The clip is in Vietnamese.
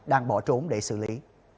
đang bỏ trốn để xử lý